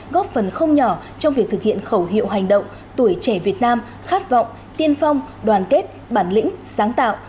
góp phần không nhỏ trong việc thực hiện khẩu hiệu hành động tuổi trẻ việt nam khát vọng tiên phong đoàn kết bản lĩnh sáng tạo